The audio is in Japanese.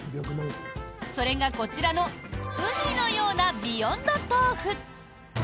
それが、こちらのうにのようなビヨンドとうふ。